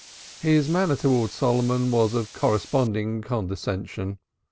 His manner towards Solomon was of a corresponding condescension.